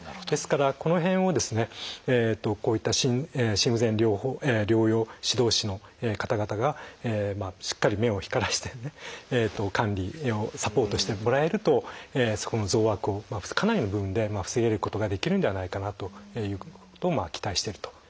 ですからこの辺をですねこういった心不全療養指導士の方々がしっかり目を光らせてね管理サポートをしてもらえるとそこの増悪をかなりの部分で防げることができるんではないかなということを期待してると。